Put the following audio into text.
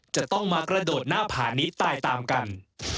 จะต้องมากระโดดหน้าผานี้ตายตามกัน